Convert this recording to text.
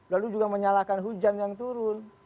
lalu juga menyalahkan hujan yang turun